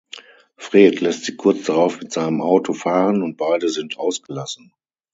Fred lässt sie kurz darauf mit seinem Auto fahren und beide sind ausgelassen.